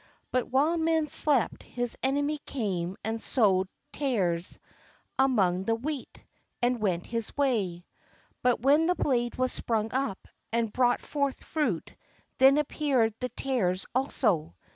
But while men slept, his enemy came and sowed THE KINGDOM OF HEAVEN tares among the wheat, and went his way. But when the blade was sprung up, and brought forth fruit, then appeared the tares also.